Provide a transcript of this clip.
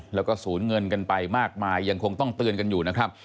แล้วก็สูญเงินกันไปมากมายยังคงต้องเตือนกันอยู่นะครับ